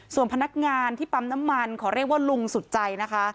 ส่วนพนักงานที่ปั๊มน้ำมันขอเรียกว่าลุงสุดใจนะคะ